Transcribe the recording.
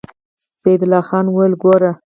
سيدال خان وويل: ګوره!